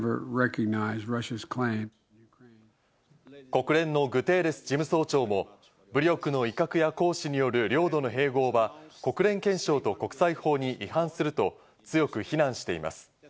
国連のグテーレス事務総長も武力の威嚇や行使による領土の併合は国連憲章と国際法に違反すると強く非難しています。